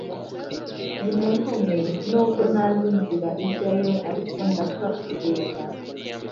Nimuntume n’ubwo ntazi inzira ijyayo ariko ndapfa kugenda